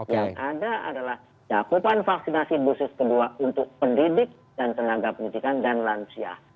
yang ada adalah cakupan vaksinasi dosis kedua untuk pendidik dan tenaga pendidikan dan lansia